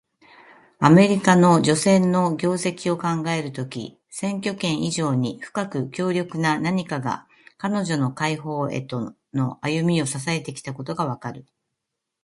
アメリカの女性の業績を考えるとき、選挙権以上に深く強力な何かが、彼女の解放への歩みを支えてきたことがわかる。